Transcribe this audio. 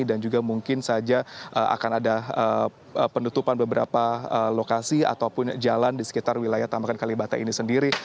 juga mungkin saja akan ada penutupan beberapa lokasi ataupun jalan di sekitar wilayah tambakan kalibata ini sendiri